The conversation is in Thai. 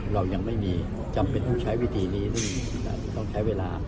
เรายังไม่มีจำเป็นต้องใช้วิธีนี้ซึ่งต้องใช้เวลา